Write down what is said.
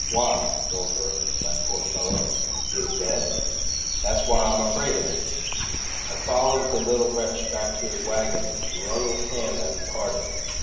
Why, Gopher, my poor fellow, he is dead!" "That's why I'm afraid of 'im." I followed the little wretch back to his wagon and wrung his hand at parting.